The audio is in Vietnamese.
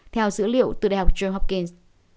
theo dữ liệu từ đại học johns hopkins